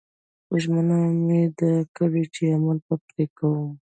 خو ژمنه مې ده کړې چې عمل به پرې کوم